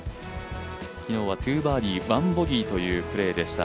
昨日は２バーディー１ボギーというプレーでした。